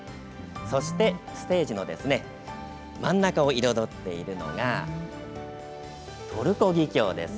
そしてステージの真ん中を彩っているのがトルコギキョウです。